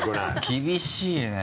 厳しいね。